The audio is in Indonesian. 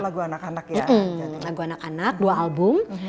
lagu anak anak dua album